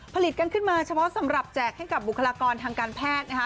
ผลิตกันขึ้นมาเฉพาะสำหรับแจกให้กับบุคลากรทางการแพทย์นะคะ